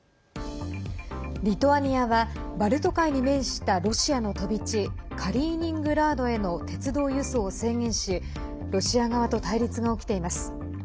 リトアニアはバルト海に面したロシアの飛び地カリーニングラードへの鉄道輸送を制限しロシア側と対立が起きています。